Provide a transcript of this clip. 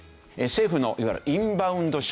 政府のいわゆるインバウンド消費。